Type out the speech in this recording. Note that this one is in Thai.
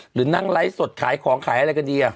หรือนั่งไลฟ์สดขายของขายอะไรกันดี